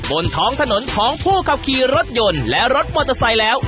บนท้องถนนของผู้ขับขี่รถยนต์และรถมอเตอร์ไซค์แล้ว